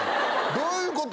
どういうこと？